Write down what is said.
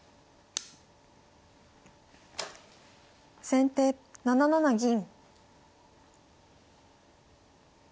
先手７七銀。